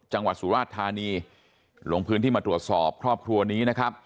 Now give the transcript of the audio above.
จังหวัดสุราชธานีลงพื้นที่มาตรวจสอบครอบครัวนี้นะครับ